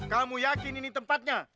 kamu yakin ini tempatnya